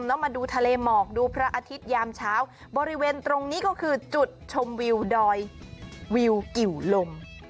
แล้วมาดูทะเลหมอกดูพระอาทิตยามเช้าบริเวณตรงนี้ก็คือจุดชมวิวดอยวิวกิวลม